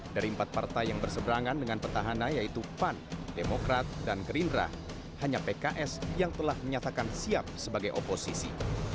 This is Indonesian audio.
dari empat partai yang berseberangan dengan petahana yaitu pan demokrat dan gerindra hanya pks yang telah menyatakan siap sebagai oposisi